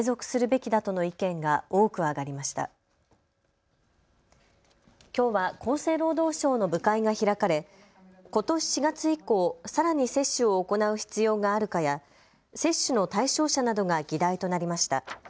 きょうは厚生労働省の部会が開かれことし４月以降、さらに接種を行う必要があるかや接種の対象者などが議題となりました。